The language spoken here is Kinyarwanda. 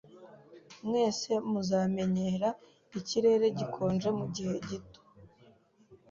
Mwese muzamenyera ikirere gikonje mugihe gito.